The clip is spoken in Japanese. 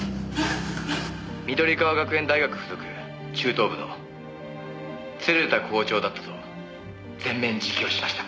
「緑川学園大学付属中等部の鶴田校長だったと全面自供しました」